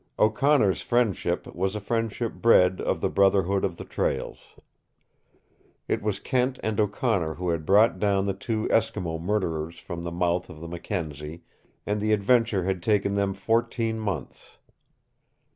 O'Connor's friendship was a friendship bred of the brotherhood of the trails. It was Kent and O'Connor who had brought down the two Eskimo murderers from the mouth of the Mackenzie, and the adventure had taken them fourteen months.